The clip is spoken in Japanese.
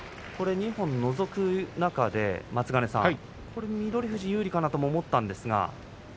二本のぞく中で翠富士有利かなと思ったんですが。